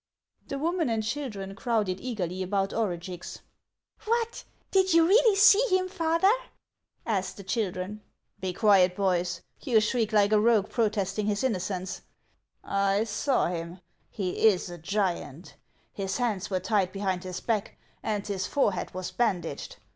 The woman and children crowded eagerly about Orugix. " What ! did you really see him, father ?" asked the children. " Be quiet, boys. You shriek like a rogue protesting his innocence. I saw him ; he is a giant. His hands were tied behind his back, and his forehead was bandaged.